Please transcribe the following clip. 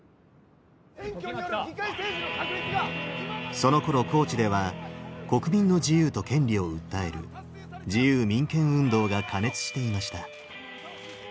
そのころ高知では国民の自由と権利を訴える自由民権運動が過熱していました。